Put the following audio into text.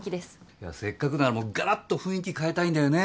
いやせっかくならもうがらっと雰囲気変えたいんだよね。